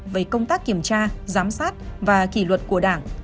về công tác kiểm tra giám sát và kỷ luật của đảng